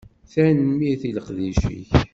Tanemmirt i leqdic-ik.